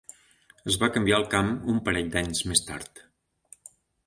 Es va canviar al camp un parell d'anys més tard.